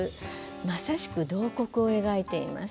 まさしく慟哭を描いています。